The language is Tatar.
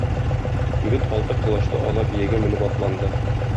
Егет алты колачлы ала биягә менеп атланды.